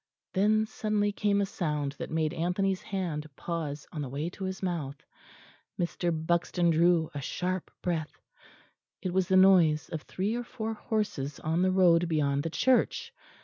Then suddenly came a sound that made Anthony's hand pause on the way to his mouth; Mr. Buxton drew a sharp breath; it was the noise of three or four horses on the road beyond the church.